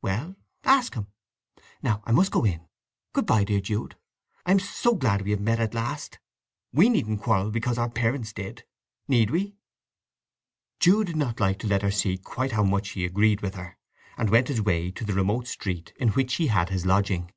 "Well—ask him. Now I must go in. Good bye, dear Jude! I am so glad we have met at last. We needn't quarrel because our parents did, need we?" Jude did not like to let her see quite how much he agreed with her, and went his way to the remote street in which he had his lodging.